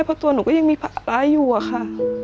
เพราะตัวหนูก็ยังมีภาระอยู่อะค่ะ